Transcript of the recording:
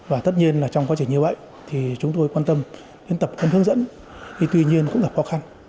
và tất nhiên là trong quá trình như vậy thì chúng tôi quan tâm đến tập hơn hướng dẫn thì tuy nhiên cũng gặp khó khăn